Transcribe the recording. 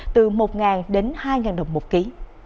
từ một đến hai đồng một ký